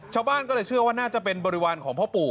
ชาวบ้านก็เลยเชื่อว่าน่าจะเป็นบริวารของพ่อปู่